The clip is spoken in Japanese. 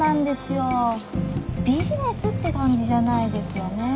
ビジネスって感じじゃないですよね。